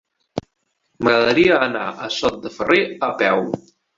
M'agradaria anar a Sot de Ferrer a peu.